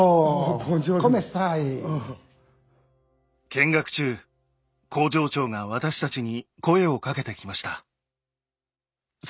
見学中工場長が私たちに声をかけてきました。